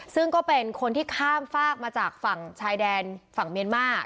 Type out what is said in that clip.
ซึ่งก็เป็นคนที่ข้ามฝากมาจากฝั่งชายแดนฝั่งเมียนมา